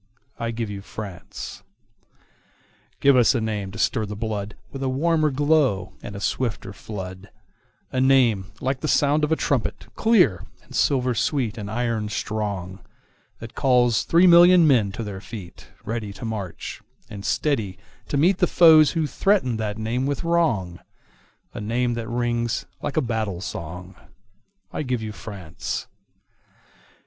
I give you France! Give us a name to stir the bloodWith a warmer glow and a swifter flood,—A name like the sound of a trumpet, clear, And silver sweet, and iron strong, That calls three million men to their feet, Ready to march, and steady to meetThe foes who threaten that name with wrong,—A name that rings like a battle song.I give you France!